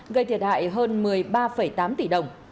gây thiệt hại hơn một mươi ba tám tỷ đồng